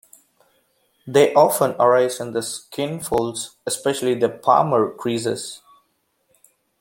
They often arise in the skin folds, especially the palmar creases.